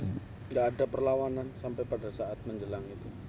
tidak ada perlawanan sampai pada saat menjelang itu